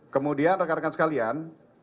kemudian rekan rekan sekalian